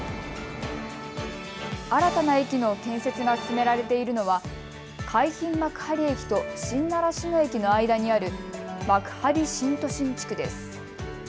新たな駅の建設が進められているのは海浜幕張駅と新習志野駅の間にある幕張新都心地区です。